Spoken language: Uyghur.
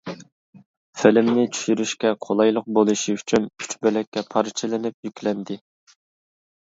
فىلىمنى چۈشۈرۈشكە قولايلىق بولۇشى ئۈچۈن ئۈچ بۆلەككە پارچىلىنىپ يۈكلەندى.